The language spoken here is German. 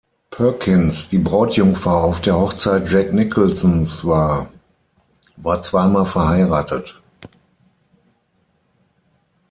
Perkins, die Brautjungfer auf der Hochzeit Jack Nicholsons war, war zweimal verheiratet.